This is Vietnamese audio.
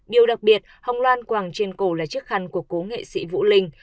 điều đặc biệt hồng loan quàng trên cổ là chiếc khăn của cổ nghệ sĩ vũ linh